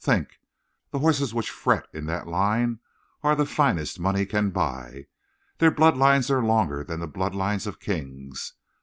Think! The horses which fret in that line are the finest money can buy. Their blood lines are longer than the blood lines of kings.